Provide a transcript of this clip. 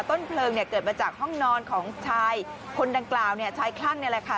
ต้นเพลิงเกิดมาจากห้องนอนของชายคนดังกล่าวชายคลั่งนี่แหละค่ะ